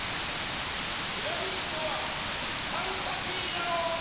ピラミッドは三かきぃだろ！